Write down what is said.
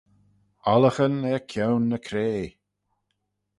Ollaghyn er kione ny cray.